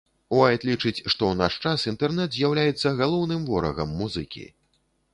Уайт лічыць, што ў наш час інтэрнэт з'яўляецца галоўным ворагам музыкі.